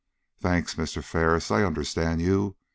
"Thanks, Mr. Ferris, I understand you.